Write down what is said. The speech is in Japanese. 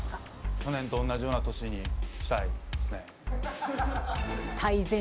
去年とおんなじような年にしたいですね。